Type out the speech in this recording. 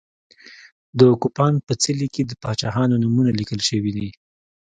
د کوپان په څلي کې د پاچاهانو نومونه لیکل شوي دي.